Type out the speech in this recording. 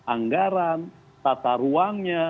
anggaran tata ruangnya